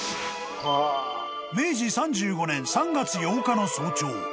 ［明治３５年３月８日の早朝